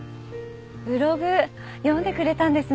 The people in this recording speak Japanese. ブログ読んでくれたんですね。